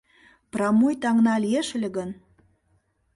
Прамой таҥна лиеш ыле гын